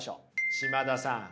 嶋田さん